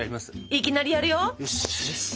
いきなりやるよ！